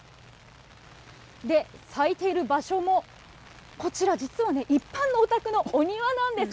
咲いている場所もこちら、実はね、一般のお宅のお庭なんです。